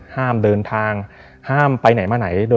ห้ามเดินทางห้ามไปไหนมาไหน